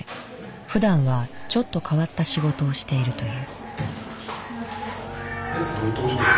ふだんはちょっと変わった仕事をしているという。